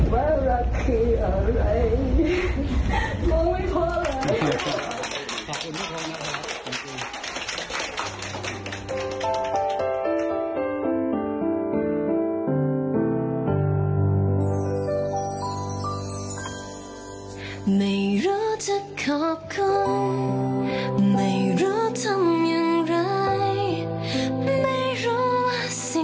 ว่ารักคืออะไรมองไม่เพราะอะไร